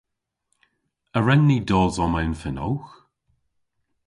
A wren ni dos omma yn fenowgh?